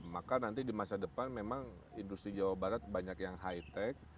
maka nanti di masa depan memang industri jawa barat banyak yang high tech